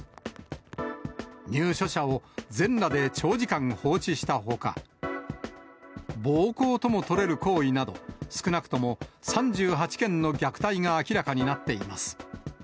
入所者を全裸で長時間放置したほか、暴行とも取れる行為など、少なくとも３８件の虐待が明らかになっています。